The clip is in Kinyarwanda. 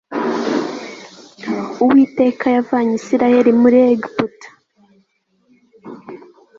uwiteka yavanye isirayeli muri egiputa